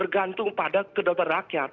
gantung pada kedalatan rakyat